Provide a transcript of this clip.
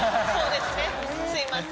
すみません。